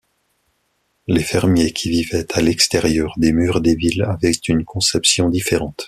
Les fermiers qui vivaient à l'extérieur des murs des villes avaient une conception différente.